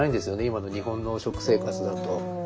今の日本の食生活だと。